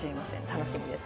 楽しみです。